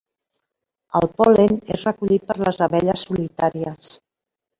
El pol·len és recollit per les abelles solitàries.